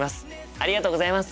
ありがとうございます。